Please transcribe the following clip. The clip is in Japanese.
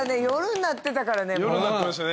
夜になってたからね。